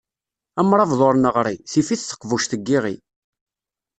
Amṛabeḍ ur neɣri, tif-it teqbuct n yiɣi.